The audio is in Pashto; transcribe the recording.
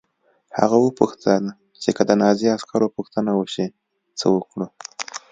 هغه وپوښتل چې که د نازي عسکر پوښتنه وشي څه وکړو